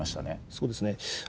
そうですね。